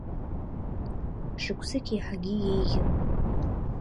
Шықәсык еиҳагьы еиӷьын.